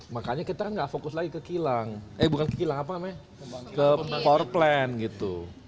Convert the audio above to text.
makanya kita gak fokus lagi ke kilang eh bukan ke kilang apa amai ke power plant gitu